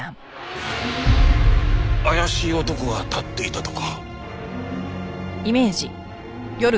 怪しい男が立っていたとか。